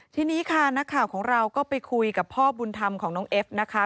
ทีนี้ค่ะนักข่าวของเราก็ไปคุยกับพ่อบุญธรรมของน้องเอฟนะคะ